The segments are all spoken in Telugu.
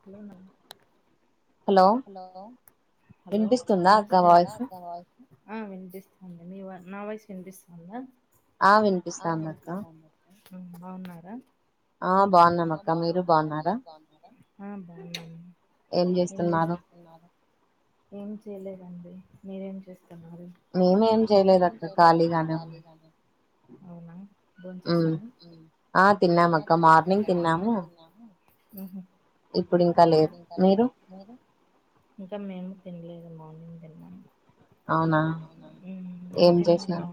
హలోన్నా హలో హలో నమస్తే ఆ వినిపిస్తుంది మీ నా వాయసు వినిపిస్తుందా ఆ వినిపిస్తాందక్క బాగున్నారా ఆ బాగున్నామక్క మీరు బాగున్నారా ఆ బాగున్నాం ఏం చేస్తున్నారు ఏం చేయలేదండి మీరేం చెస్ మేమేం చేయలేదు అక్క ఖాళీగానే ఉ అవునా హ్ ఆ తిన్నాంమక్క మార్నింగ్ మార్నింగ్ తిన్నా ఉహ్ ఇప్పుడు ఇంకా లేదు మీరు ఇంకా మేము తినలేదు మార్నింగ్ తిన్నాము ఏం తిన్నారు మా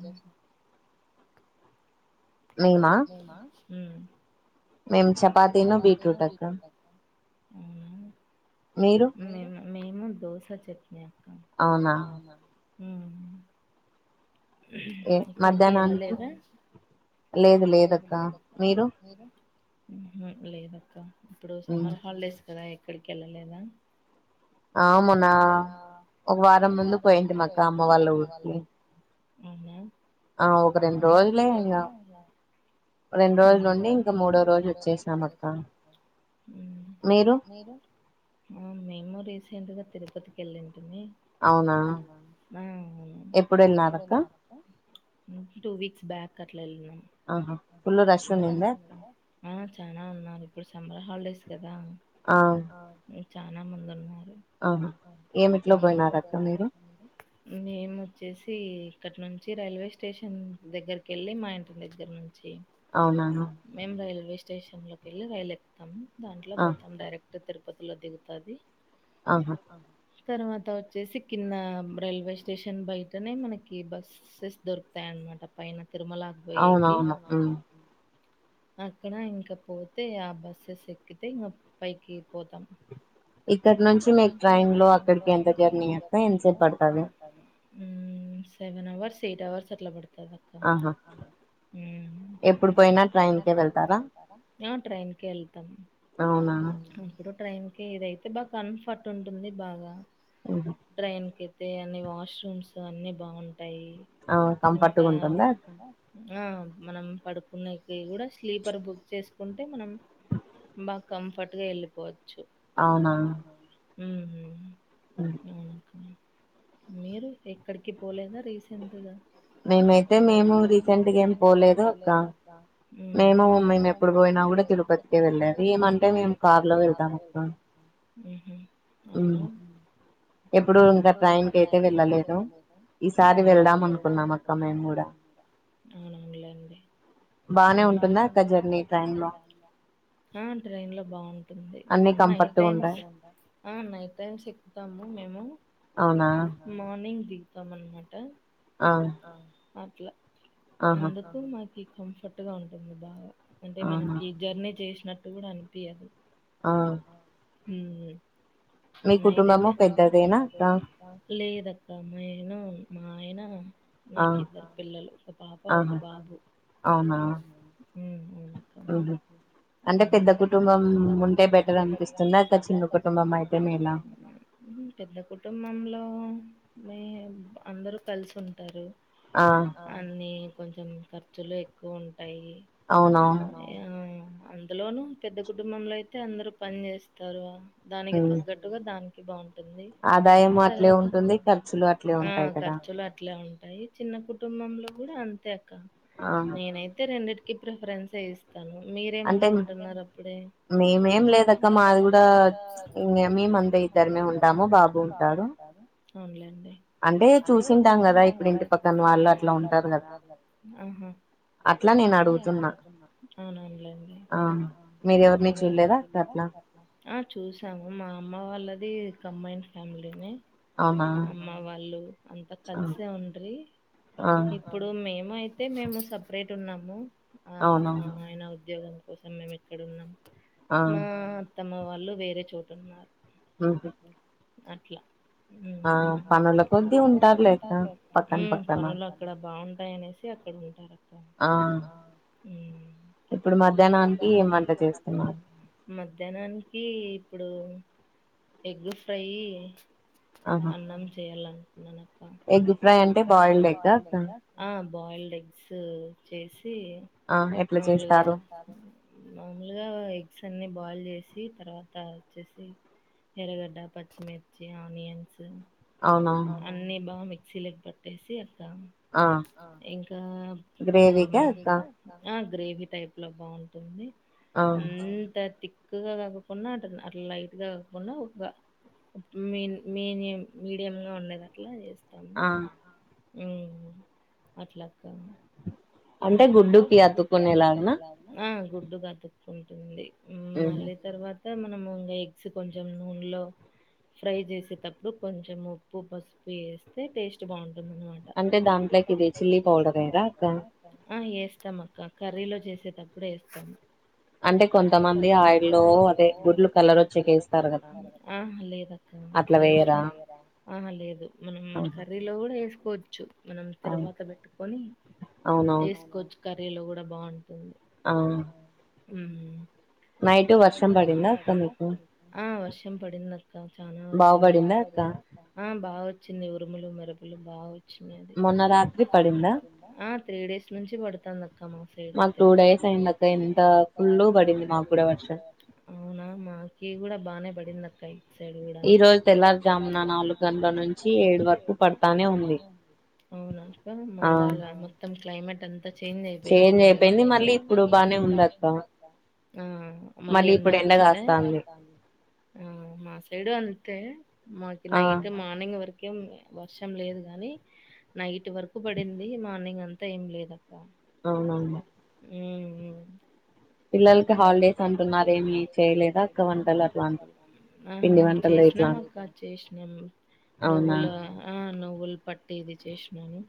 హ్ మేం చపాతీ ను బీట్రూట్ అక్క హ్ మే మేము దోశ చట్నీ అవునా హ్ హ్ ఏక్కడికి ఏళ్ళలేదా లేదు లేదక్క మీరు లేదక్క ఇప్పుడు సమ్మర్ హాలిడేస్ కదా ఎక్కడికి ఏళ్ళలేదా ఆ మొన్న ఒక వారం ముందు పోయింటిమీ అక్క అమ్మ వాళ్ళ ఊరికి అవునా ఆ ఒక రెండు రోజులే ఇంగా రెండు రోజులు నుండి ఇంకా మూడో రోజులు వచ్చేసినాం అక్క మెమొరీస్ ముందుగా తిరుపతికి వెళ్ళింటుమీ అవునా అవునా హా టూ వీక్స్ బ్యాక్ అట్లా వెళ్లినం ఆహా ఫుల్ రాష్ ఉండిందా చనా ఉన్నారు ఇప్పుడు సమ్మర్ హాలిడేస్ కదా చనా మంది ఉన్నారు. ఆహా ఏమిట్లో పోయినార అక్క మీరు మేము వచ్చేసి ఇక్కడ నుంచి రైల్వే స్టేషన్ దగ్గరకి వెళ్ళి మా ఇంటి దగ్గర నుంచి మేము రైల్వే స్టేషన్ లోకి వెళ్ళి రైల్ ఎక్కుతాము దాంట్లో పోతాం డైరెక్ట్ తిరుపతులో తిరూగుతాది తర్వాత వచ్చేసి కింద రైల్వే స్టేషన్ బయ వెంటనే మనకి బస్సెస్ దొరుకుతాయన్నమాట పైన తిరుమలకి పోఏకి అవును అక్కడ ఇంకా పోతే ఆ బస్సెస్ ఎక్కితే ఇంకా పైకి పోతాం ఇక్కడ నుంచి మీకు డ్రాయింగ్ లో అక్కడికి ఎంత జర్నీ అస్తా ఎంతసేపు పడుతది. సెవెన్ అవర్స్ ఎయిట్ అవర్స్ అట్లా పడుతది ఆహా ఎప్పుడు పోయినా ఆ ట్రైన్ కే వెళ్తాం ట్రైన్ కి ఇదైతే బాగా కన్ఫర్ట్ ఉంటుంది బాగా ట్రైన్ కి అయితే అన్ని వాష్రూమ్స్ అన్ని బాగుంటాయి ఇంకా ఆ మనం పడుకున్నేకి కూడా స్లీపర్ బుక్ చేసుకుంటే మనం మా కంఫర్ట్ గా ఏళ్ళిపోవచ్చు అవును హ్ ఉహ్ మీరు ఎక్కడికి పోలేదా రీసెంట్గా మేమైతే మేము రీసెంట్ గా ఏం పోలేదు ఒక్క నేను మేను ఎప్పుడు పోయినా కూడా తిరుపతికి వెళ్ళారు ఏమంటే నేను కార్ లో వెళ్దాను అవునా ఎప్పుడు ఇంకా ట్రైన్ కయితే వెళ్ళలేదు ఈసారి వెల్దాం అనుకున్నాం అక్క మేము కూడా అవుననులేండి మేం బానే ఉంటుందా [unintelligible] ఆ ట్రైన్ లో బాగుంటుంది అన్నటైమ్స్ ఆ నైట్ టైమ్స్ ఎక్కుతాము మేము మార్నింగ్ దిగుతాము అనమాట ఆ అట్లా అందుకు మాకి కంఫర్ట్ గా ఉంటుంది బాగా అంటే మనకి జర్నీ చేసినట్టు కూడా అనిపియదు ఆ ఉమ్ నైటైతే లేద ఒక అమ్మయిను మా ఆయన నాకిద్దరు పిల్లలు ఒక పాప ఒక బాబు అవునా ఉమ్ అవు ఉహ్ అంటే పెద్ద కుటుంబం ఉంటే బెటర్ అనిపిస్తుందా ఇట్ల చిన్న కుటుంబం అయితే మేలా పెద్ద కుటుంబంలో మే అందరు కలిసి ఉంటారు అన్ని కొంచెం ఖర్చులు ఎక్కువ ఉంటాయి అ అందులోను పెద్ద కుటుంబంలో అయితే అందరు పని చేస్తారు దానికి తగ్గట్టుగా దాని కి బాగుంటుంది ఆ ఖర్చులు అట్లే ఉం ఉంటాయి చిన్న కుటుంబంలో గుడా అంతే అక్క నేనైతే రెండిటికి ప్రిఫరెన్స్ ఇస్తాను మీరేమనుకుంటున్నారు అప్పుడే మేమేం లేదక్క మాది కూడా ఇకా [unintelligible] ఇద్దరముంటాము బాబు ఉంటాడు అవున్లే అంటే చూసింటాం కదా ఇప్పుడు ఇంటి పక్కన వాళ్ళు అట్లా ఉంటారు కదా అట్లా నేను అడుగుతున్నా ఆ చూసాము మా అమ్మ వాళ్ ళ్లది కంబైన్డ్ ఫ్యామిలీనె అమ్మ వాళ్ళు అంత కలిసే ఉండ్రి ఇప్పుడు మేము అయి తే మేము సపరేట్ ఉన్నాము అ మా ఆయన ఉద్యోగం కోసం మేము ఇక్కడున్నాం మా అత్తమ్మ వాళ్ళు వేరే చోటున్నారు ఆహా అట్లా ఉం పనులు అక్కడ బాగు నేసి అక్కడ ఉంటారు అక్క మధ్యాహ్నానికి ఇప్పుడు ఎగ్ ఫ్రై అన్నం చేయాల ఎగ్ ఫ్రై అంటే బాయిల్డ్ ఎగ్గాక్క బాయిల్డ్ ఎగ్స్ చేసి మాములుగా మామూలుగా ఎగ్స్ అన్నీ బాయిల్ చేసి తర్వాత అచ్చేసి ఎరగడ్డ పచ్చిమిర్చి ఆనియన్స్ అన్ని బా మిక్సీలకి పట్టేసి అక్క ఇంకా మ్ ఆ గ్రేవీ టైప్ లో బాగుంటుంది అంత తిక్కుగా కాకపోనా అ లైట్గా కాకపోనాగా మీన్ మీన్యం మీడియంగా ఉండేది అట్లా చేస్త ఆ ఉహూ అట్లక్క గుడ్డు కి అతుక్కుంటుంది మళ్ళీ తర్వాత మనము ఇంకా ఎగ్స్ కొంచెం నూనెలో ఫ్రై చేసేటప్పుడు కొంచెం ఉప్పు పసుపు వేస్తే టేస్ట్ బాగుం అంటే దాంట్లోకి ఇది చిల్లీ పౌడర్ ఎయ్యరా అక్క ఆ ఎస్తాం అక్క కర్రీలో చేసేటప్పుడు ఎస్తాం ఆ లేద ఆహ లేదు మనం కర్రీలో కూడా వే సుకోవచ్చు మనం తరువాత పెట్టుకొని వేసుకోవచ్చు కర్రీలో కూడా బాగుం ఆ ఉమ్ ఆ వర్షం పడింది అక్క చనా వచ్చింది ఆ బాగా వచ్చింది ఉరుములు మెరుపులు బాగా వచ్చింది హా త్రీ డేస్ నుంచి పడతాది అక్ కమోస ఇదైతే [inaudible] అవునా మాకేకూడా బాగానే పడింది ఇటు సైడ్ కూడా అవునా అక్క మదల క్లైమేట్ అంతా చేంజ్ అయిపోయి ఉంటుంది కదా హా మళ్ళీ ఎండ వచ్చిందా హా మా సైడు అంతే మాక్ నైట్ మార్నింగ్ వర ం వర్షం లేదు గాని నైట్ వరకు పడింది మార్నింగ్ అంతా ఏం లేద అవునా ఉమ్ ఆ చేసు మ కా చేసినాం నువ్వుల ఆ నువ్వులు పట్టి ఇది చేసినాను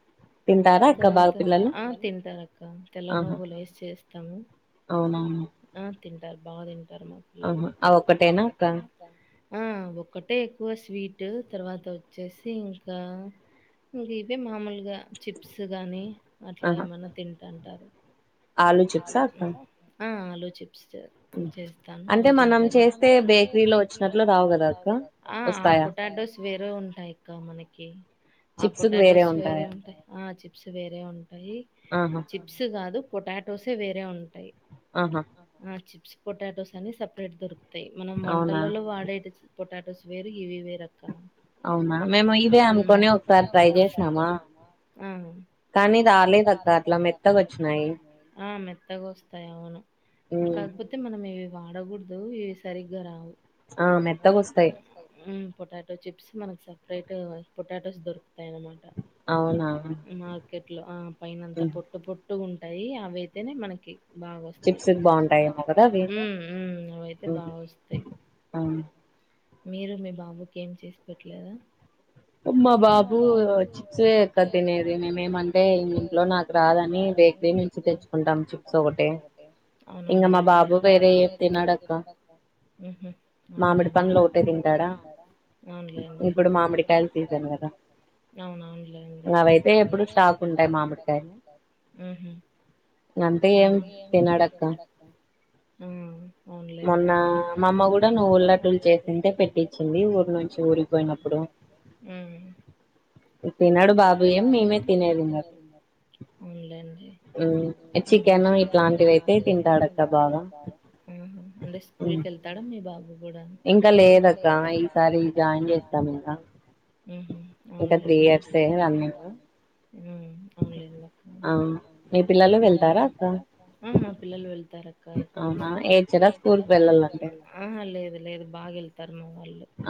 తింటా తర్వాత ఆ తింటారు అక్క తెల్లనువులేస్ చేస్తాము ఆ తింటారు బాగా తింటారు ఆహ అ ఒక్కటేనా అక్క ఆ ఒక్కటే ఎక్కువ స్వీట్ తర్వాత వచ్చేసి ఇంకా ఇంక ఇవే మామూలుగా చిప్స్ గాని అట్లా ఏమన్నా తింటుంటారు ఆలూ చిప్స్ ఆ అక్క ఆ ఆలు చిప్స్ చేస్తాను అవి తింటారు ఆ పొటాటోస్ వేరు ఉంటాయి అక్క మనకి ఆ పొటాటోస్ వేరే ఉంటాయి ఆ చిప్స్ వేరే ఉంటాయి చిప్స్ కాదు పొటాటోసే వేరే ఉంటాయి ఆ చిప్స్ పొటాటోస్ అని సపరేట్ దొరుకుత అాయి మనం వంటలలో వాడేట పొటాటోస్ వేరు ఇవి వేరక్క ఉమ్ అవును ఆ మేత్ మెత్తగా వస్తాయి అవును కాకపోతే మనం ఇవి వాడకూడదు ఇవి సరిగ్గా రావు హు పొటాటో చిప్స్ మనకు సపరేట్ పొటాటోస్ దొరు కుతాయనమాట మార్కెట్ లో ఆ పైనంతా పొట్టు పొట్ ట్టుగుంటాయి అవి అయితేనే మనకి బాగొస్తాయ్ ఊ ఊ అవయితే బాగొస్తాయ్ ఆ మీరు మీ బాబు కేం చేసి పెట్టలేదా మా బాబు చిప్స్ఆ పెద్తినేది మేమేమంటే ఇంట్లో నాకు రాదని బేక్ కరి నుంచి తెచ్చుకుంటాం చిప్స్ ఒకటి అవునవునులే ఊహు హు లేద్ [unintelligible] అవునవునులే అండి ఊ హు అంతే ఏం హ్మ్ తిన్నాడక్క హూ అవున్లెండి [unintelligible] మా అమ్మ కూడా నువ్వు [unintelligible] చేకుంటే పెప్పించింది చోరి పోయినప్పుడు హ్మ్ తినడు బాబు ఏం మేమే తినేదున్నద్ అవున్లేండి అవునండి తను ఇట్లాంటివయితే తింటాడు [inaudible] హ్మ్ అంటే స్కూల్కెళ్తాడ మీ బాబు లేదా ఇంకా లేదక్క ఇంకా జాయిన్ చేయల ఊహు అవున్లే ఇయర్ సేవింగ్ అన్నేగా హ్మ్ అవున్లే చూడాలా పిల్లలు వెళ్తారా ఆ మా పిల్లలు వెళ్తారక్క ఎప్పుడు ఆహా లేదు లేదు బాగెళ్తారు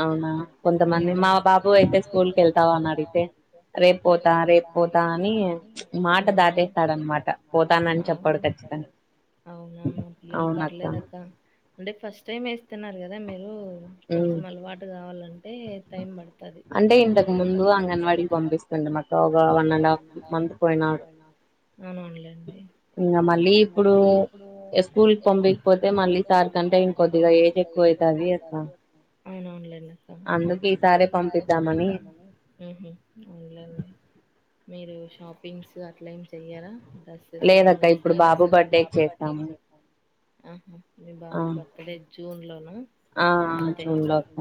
అవునా కొంతమంది మా బాబు అయితే స్కూల్ కెళ్తావా అని అడిగితే రేప్ పోతా రేప్ పోతా అని మాట దాటేస్తాడన్ మాట పోతానని చెప్పడు ఖచ్చి అవునా మ పిల్లలు పర్లేదక్క అంటే ఫస్ట్ టైమ్ వేస్తన్నారు కద్ అదే మీరు కొంచెం అలవాటు కావాల్నంటే టైం పడతది అంటే ఇంతకు ముందు అంగన్వాడి పంపిస్తుండు మాకు ఒక వన్ అండ్ హాఫ్ మంత్ పోయినాడు అన్నం వండ్లేదండి ఇంకా మళ్ళీ ఇప్పుడు స్కూల్ పంపించపోతే మళ్ళీ సార్ [unintelligible] ఎక్కువైతది అవునవున్లెండి ఆ అందుకే ఈసారి పంపిద్దాం అనీ ఊహు అవున్లేండి మీరు షాపింగ్స్ అట్లేం చెయ్యారా డ్రెస్సెస్ గానీ ఇప్పుడు బాబు బర్డేక్ చేస్తాము ఆహా మీ బాబు బర్త్డే జూన్ లోనా ఆ జూన్లో అక్క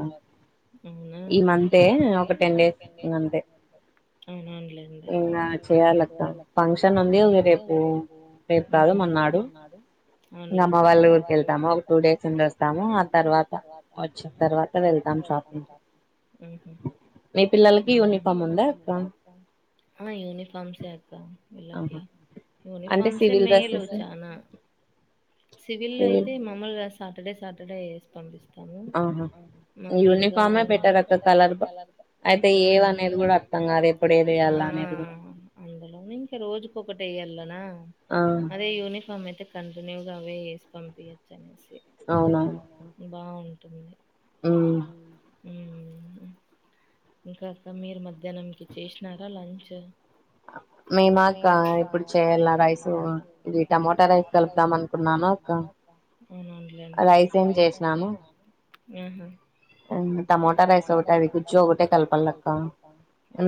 అవునా ఈ మంతే ఒక టెన్ డేస్ అవునంలేండి ఇంకా చేయాలక్కా ఫంక్షన్ ఉంది రిపెప్పు రే ఊహు రేప్ కాదు మర్నాడు ఇంకా అమ్మ వాళ్ళ ఊరికెళ్తాము ఒక టూ డేస్ ఉండోస్తాము ఆ తర్వాత వచ్చిన్ తర్వాత వెళ్తా అందరు ఎల్తా ఉంటారు ఊహు మీ పిల్లలకి యూనిఫాం ఉందా అక్క ఆ యూనిఫార్మ్స్ ఏ అక్క వీళ్లకి యూనిఫార్మ్స్ మేల్ లోచానా సివిలో అయితే మామూలుగా సాటర్డే సాటర్డే ఏసీ పంపిస్తాం మమ్మల్నా మీ మమ్మే బెటర్ అక్క కలర్ అందులో ఇంకా రోజుకి ఒక్కటి వే లనా అదే యూనిఫామ్ అయితే కంటిన్యూగావే వేసి పంపియ్యొచ్చు అనేసి అవునా మ్మ్ హ్మ్ ఇంకా అక్క మీరు మధ్యాహ్నంకి చేసినారా లంచ్ మేమాక్క ఇప్పుడు చేయాల రైసు ఇది టమాటా రైస్ కలుపుదాం అనుకున్నాను అక్క రైస్ ఏం చేసిన అను మ్మ్ హ్మ్ టమాటా రైస్ ఒకటె అది గుజ్జు ఒకటే కలపాలక్క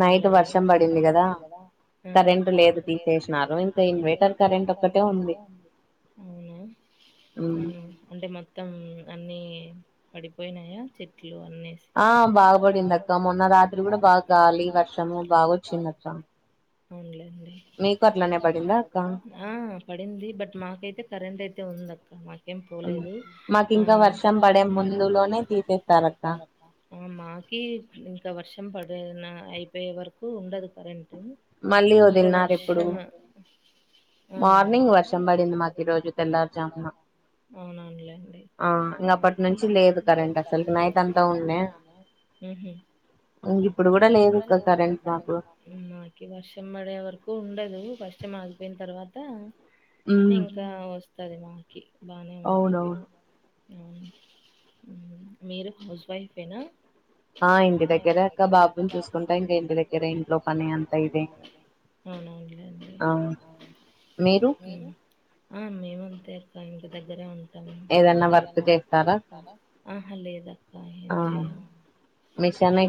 నైట్ వర్షం పడింది పడింది కదా మ్మ్ హ్మ్ కరెంట్ లేదు తీసేసినారు వేటర్ కరెంట్ ఒక్కటే ఉంది అంటే మొత్తం అన్ని పడిపోయినాయా చెట్లు అనేసి మీకు అట్లనే పడిందా ఆ పడింది బట్ మాకైతే కరెంట్ అయితే ఉందక్క మా ఏం పోలేదు ఆ మాకి ఇంకా వర్షం పడేన అయిపోయే వరకు ఉండదు కరెంట్ మళ్ళీ వదిన్నారు ఇప్పుడు ఆ అవునా లెండి మ్మ్ హ్మ్ ఇప్పుడు కూడా లేదు ఇక్కడ కరెంట్ మాకు నాకి వర్షం పడే వరకు ఉండదు వర్షం ఆగిపోయిన తర్వాత ఇంకా వస్తది మాకి బానే ఉంటది ఆ అవును మీరు హౌస్ వైఫేనా ఆ ఇంటి దగ్గర అక్క బాబుని చూసుకుంటా ఇంకా ఇంటి దగ్గరే ఇంట్లో పని అంతా ఇదే ఇంకా అవునవునులేండి ఆ మేమంతే అక్క ఇంటి దగ్గరే ఉం ఆహా లేదా క్క ఏం చేయం మీరు